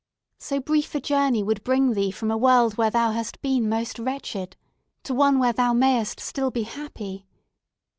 So brief a journey would bring thee from a world where thou hast been most wretched, to one where thou mayest still be happy!